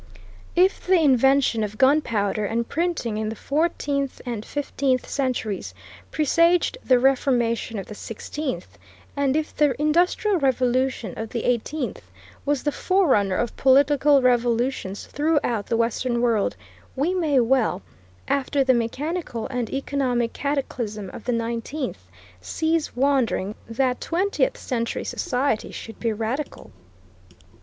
If the invention of gunpowder and printing in the fourteenth and fifteenth centuries presaged the Reformation of the sixteenth, and if the Industrial Revolution of the eighteenth was the forerunner of political revolutions throughout the Western World, we may well, after the mechanical and economic cataclysm of the nineteenth, cease wondering that twentieth century society should be radical.